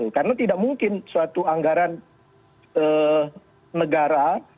karena tidak mungkin suatu anggaran negara